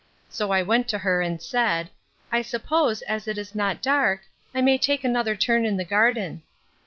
So I went to her, and said; I suppose, as it is not dark, I may take another turn in the garden.